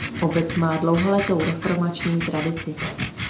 Obec má dlouholetou reformační tradici.